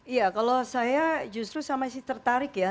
iya kalau saya justru sama sih tertarik ya